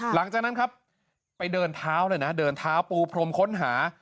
หลังจากนั้นครับไปเดินเท้าเลยนะเดินเท้าปูพรมค้นหา